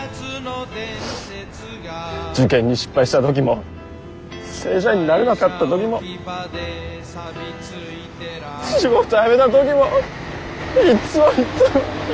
受験に失敗した時も正社員になれなかった時も仕事辞めた時もいっつもいっつもいっつもいっつも！